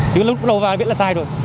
chứ lúc đầu vào biết là sai rồi